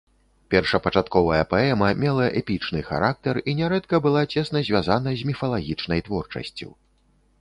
Першапачатковая паэма мела эпічны характар і нярэдка была цесна звязана з міфалагічнай творчасцю.